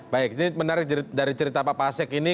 baik ini menarik dari cerita pak pasek ini